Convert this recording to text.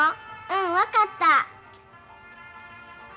うん分かった。